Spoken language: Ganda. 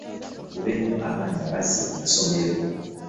Bafube nnyo abaana babazze ku masomero.